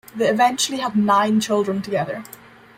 They eventually had nine children together.